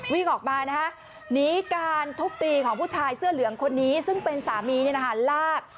วิ่งออกมานะคะหนีการทุบตีของผู้ชายเสื้อเหลืองคนนี้ซึ่งเป็นสามีลาก